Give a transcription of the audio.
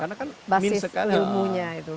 karena kan basic ilmunya itu